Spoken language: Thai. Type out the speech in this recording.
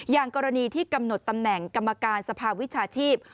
อย่างกรณีที่กำหนดตำแหน่งกรรมการสภาวิชาชีพ